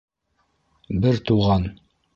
Бер туған!